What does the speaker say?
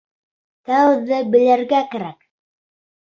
Тәүҙә белергә кәрәк.